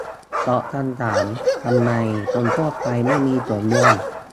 ตอบคำถาม ทำไมคนทั่วไปไม่มีส่วนร่วม